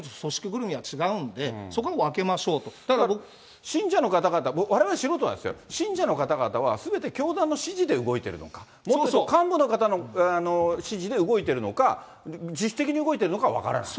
ぐるみは違うんで、そ信者の方々、われわれ素人はですよ、信者の方々は、すべて教団の指示で動いているのか、幹部の方の指示で動いているのか、自主的に動いてるのか分からない。